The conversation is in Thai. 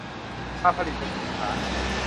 มาผลิตเป็นสินค้า